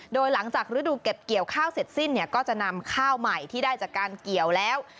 โดยหลังจากฤดูเก็บเกี่ยวข้าวเสร็จสิ้นเนี่ยก็จะนำข้าวใหม่ที่ได้จากการเกี่ยวแล้ว